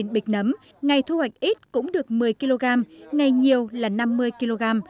một bịch nấm ngày thu hoạch ít cũng được một mươi kg ngày nhiều là năm mươi kg